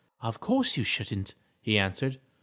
"Of course you shouldn't," he answered.